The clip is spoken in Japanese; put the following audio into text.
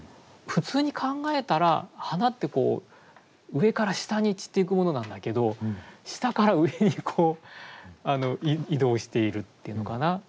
普通に考えたら花って上から下に散っていくものなんだけど下から上に移動しているっていうのかな。